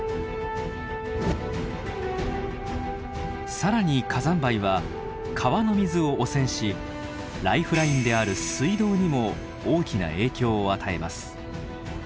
更に火山灰は川の水を汚染しライフラインである水道にも大きな影響を与えます。